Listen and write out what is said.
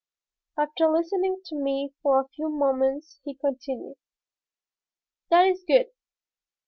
After listening to me for a few moments he continued: "That is good.